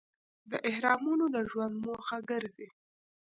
دا اهرامونه د ژوند موخه ګرځي.